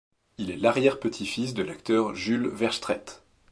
Il est l'arrière-petit-fils de l'acteur Jules Verstraete.